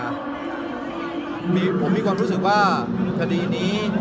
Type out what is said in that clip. ผมมีความรู้สึกว่าคดีนี้